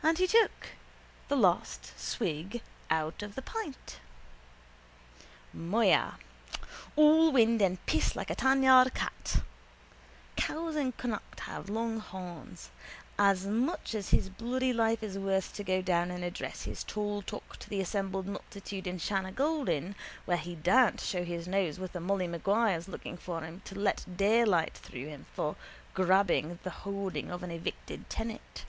And he took the last swig out of the pint. Moya. All wind and piss like a tanyard cat. Cows in Connacht have long horns. As much as his bloody life is worth to go down and address his tall talk to the assembled multitude in Shanagolden where he daren't show his nose with the Molly Maguires looking for him to let daylight through him for grabbing the holding of an evicted tenant.